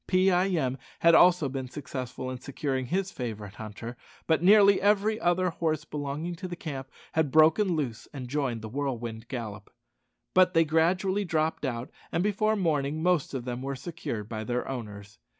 Pee eye em had also been successful in securing his favourite hunter: but nearly every other horse belonging to the camp had broken loose and joined the whirlwind gallop. But they gradually dropped out, and before morning the most of them were secured by their owners.